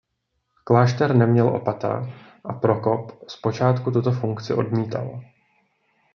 Klášter neměl opata a Prokop zpočátku tuto funkci odmítal.